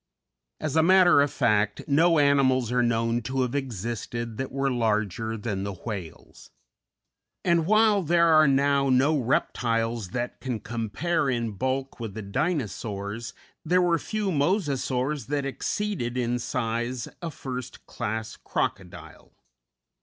As a matter of fact, no animals are known to have existed that were larger than the whales; and, while there are now no reptiles that can compare in bulk with the Dinosaurs, there were few Mosasaurs that exceeded in size a first class Crocodile.